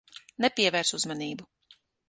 Nepievērs uzmanību.